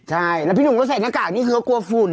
ใช่แล้วพี่หนูแล้วใส่หน้ากากนี้ก็กลัวฝุ่น